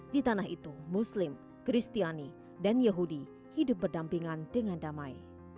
di tanah itu muslim kristiani dan yahudi hidup berdampingan dengan damai